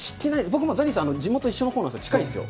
僕はザニーさん、地元一緒のほうなんですよ、近いんですよ。